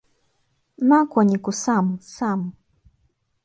На коніку сам, сам.